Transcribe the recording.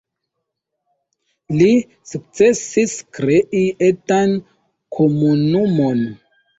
Li sukcesis krei etan komunumon.